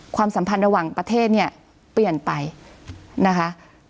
ความสัมพันธ์ระหว่างประเทศเนี่ยเปลี่ยนไปนะคะ